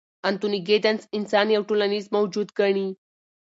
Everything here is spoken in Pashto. انتوني ګیدنز انسان یو ټولنیز موجود ګڼي.